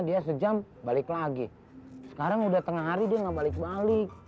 dia sejam balik lagi sekarang udah tengah hari dia nggak balik balik